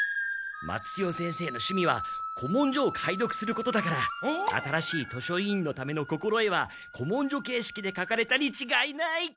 松千代先生の趣味は古文書を解読することだから新しい図書委員のための心得は古文書形式で書かれたにちがいない。